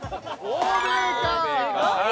欧米か！